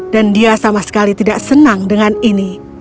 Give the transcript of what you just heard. dan dia sama sekali tidak senang dengan itu